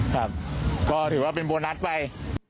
ครับก็ถือว่าเป็นโบนัสไป